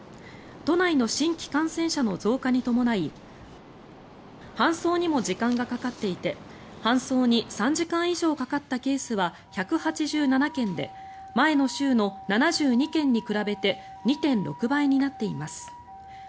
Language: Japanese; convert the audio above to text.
都内の新規感染者の増加に伴い搬送にも時間がかかっていて搬送に３時間以上かかったケースは１８７件で前の週の７２件に比べて２．６倍になっています。